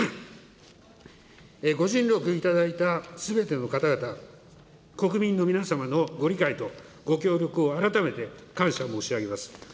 ご尽力いただいたすべての方々、国民の皆様のご理解とご協力を改めて感謝申し上げます。